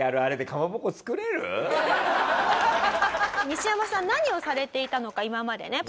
西山さん何をされていたのか今までね。